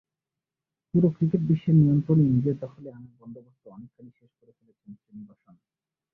পুরো ক্রিকেট বিশ্বের নিয়ন্ত্রণই নিজের দখলে আনার বন্দোবস্ত অনেকখানি শেষ করে ফেলেছেন শ্রীনিবাসন।